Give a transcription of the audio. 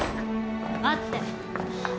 待って！